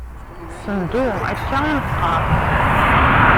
Sendu akka i neqqar.